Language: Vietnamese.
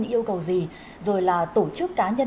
yêu cầu gì rồi là tổ chức cá nhân